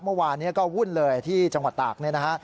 เมื่อวานนี้ก็วุ่นเลยที่จังหวัดตากเนี่ยนะฮะ